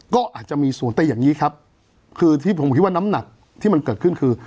ก็อาจจะมีศูนย์แต่อย่างนี้ครับคือที่ผมคิดว่าน้ำหนักที่มันเกิดขึ้นคือ